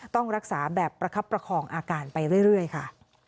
ต้องรักษาแบบประคับประคองอาการไปเรื่อยค่ะ